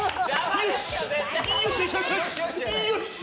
よし！